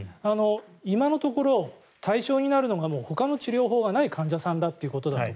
今のところ、対象になるのがほかの治療法がない患者さんだということだとか